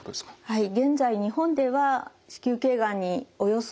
はい。